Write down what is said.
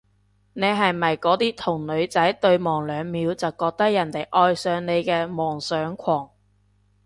你係咪嗰啲同女仔對望兩秒就覺得人哋愛上你嘅妄想狂？